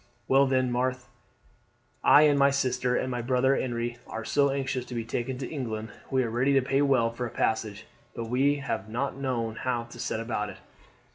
"Well, then, Marthe, I and my sister and my brother Henri are anxious to be taken to England. We are ready to pay well for a passage, but we have not known how to set about it."